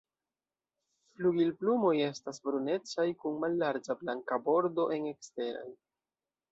Flugilplumoj estas brunecaj kun mallarĝa blanka bordo en eksteraj.